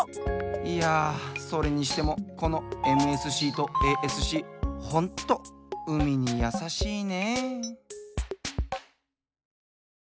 いやそれにしてもこのＭＳＣとＡＳＣホント海にやさしいね！